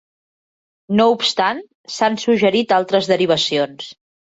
No obstant, s'han suggerit altres derivacions.